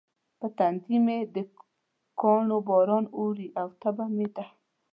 پر تندي مې د کاڼو باران اوري او تبه مې ده.